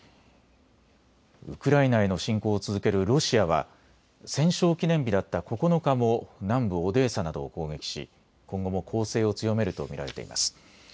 ウクライナへの侵攻を続けるロシアは戦勝記念日だった９日も南部オデーサなどを攻撃し今後も攻勢を強めると見られています。